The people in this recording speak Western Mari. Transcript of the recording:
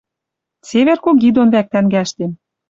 Цевер куги дон вӓк тӓнгӓштем